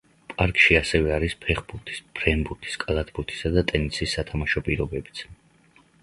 პარკში ასევე არის ფეხბურთის, ფრენბურთის, კალათბურთისა და ტენისის სათამაშო პირობებიც.